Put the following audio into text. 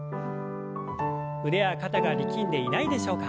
腕や肩が力んでいないでしょうか？